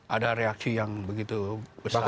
ada reaksi yang begitu besar